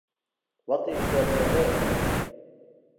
Wat is der te rêden?